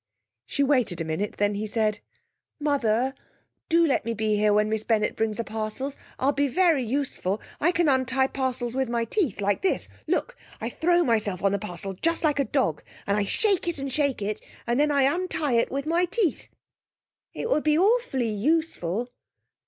She waited a minute, then he said: 'Mother, do let me be here when Miss Bennett brings the parcels. I'll be very useful. I can untie parcels with my teeth, like this. Look! I throw myself on the parcel just like a dog, and shake it and shake it, and then I untie it with my teeth. It would be awfully useful.'